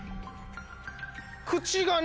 口がね。